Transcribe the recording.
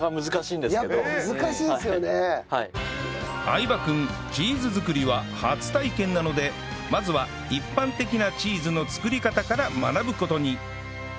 相葉君チーズ作りは初体験なのでまずは一般的なチーズの作り方から学ぶ事に